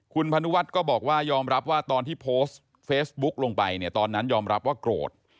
คุณพนุวัฒน์ก็บอกว่ายอมรับว่าตอนที่โพสต์เฟซบุ๊กลงไปเนี่ยตอนนั้นยอมรับว่าโกรธ